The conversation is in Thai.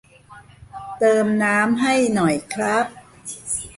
เติมน้ำให้หน่อยครับ